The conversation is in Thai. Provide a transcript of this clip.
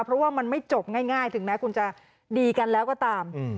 เพราะว่ามันไม่จบง่ายถึงแม้คุณจะดีกันแล้วก็ตาม